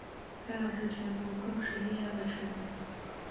该党是全国共识力量的成员。